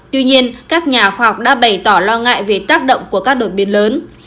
tuy nhiên các nhà khoa học đã bày tỏ lo ngại về tác động của các đột biến lớn